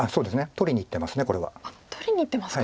取りにいってますか。